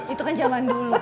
itu kan zaman dulu